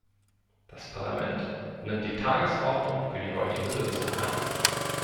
Das Parlament nimmt die Tagesordnung für die heutige Sitzung an.